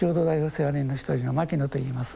世話人の一人の牧野と言います。